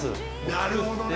なるほどね。